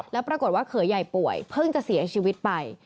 แล้วปรากฏว่าเขยใหญ่ป่วยเพิ่งจะเสียชีวิตไป